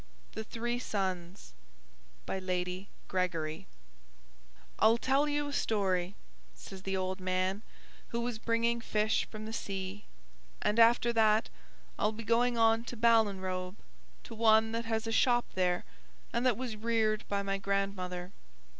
THE THREE SONS By Lady Gregory I'll tell you a story, says the old man who was bringing fish from the sea; and after that I'll be going on to Ballinrobe, to one that has a shop there and that was reared by my grandmother.